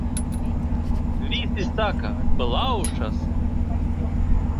Visi saka – plaušas...